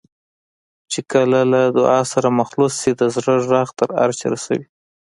چې کله له دعا سره مخلوط شي د زړه غږ تر عرشه رسوي.